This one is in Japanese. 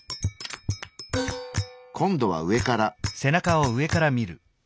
今度は上から。